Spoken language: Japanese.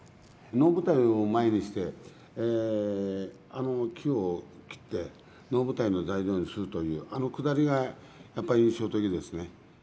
能舞台を前にしてあの木を切って能舞台の材料にするというあのくだりがやっぱり印象的ですね。